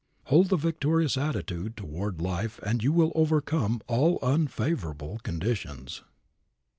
Hold the victorious attitude toward life and you will overcome all unfavorable conditions.